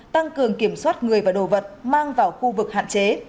tăng cường kiểm soát người và đồ vật mang vào khu vực hạn chế